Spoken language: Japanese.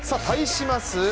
対します